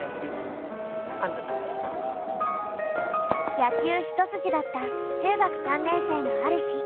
野球一筋だった中学３年生のある日。